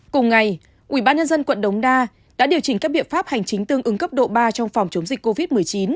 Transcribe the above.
cùng ngày ubnd quận đống đa đã điều chỉnh các biện pháp hành chính tương ứng cấp độ ba trong phòng chống dịch covid một mươi chín